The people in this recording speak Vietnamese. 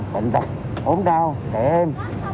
bệnh đặc ổn đau trẻ em